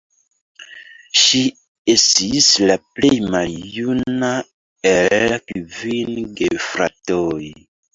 Ŝi estas la plej maljuna el kvin gefratoj.